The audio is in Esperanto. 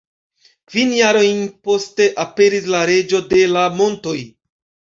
Kvin jarojn poste aperis La Reĝo de la Montoj.